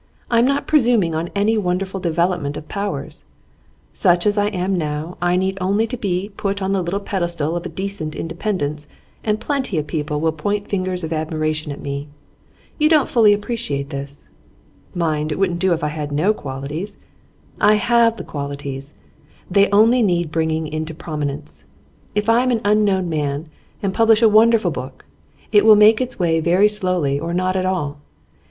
I am not presuming on any wonderful development of powers. Such as I am now, I need only to be put on the little pedestal of a decent independence and plenty of people will point fingers of admiration at me. You don't fully appreciate this. Mind, it wouldn't do if I had no qualities. I have the qualities; they only need bringing into prominence. If I am an unknown man, and publish a wonderful book, it will make its way very slowly, or not at all.